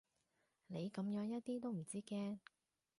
你噉樣一啲都唔知驚